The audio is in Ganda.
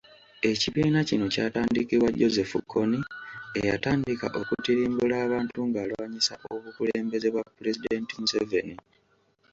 Ekibiina kino kyatandikibwa Joseph Kony eyatandika okutirimbula abantu ng'alwanyisa obukulembeze bwa Pulezidenti Museveni.